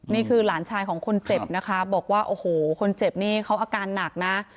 นี่คือหลานชายของคนเจ็บนะคะบอกว่าโอ้โหคนเจ็บนี่เขาอาการหนักนะ